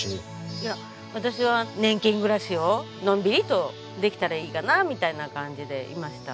いや私は年金暮らしをのんびりとできたらいいかなみたいな感じでいました。